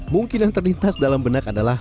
mungkin yang terlintas dalam benak adalah